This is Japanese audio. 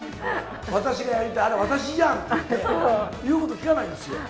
私がやりたい、あれ、私じゃんっていって、言うこと聞かないんですよ。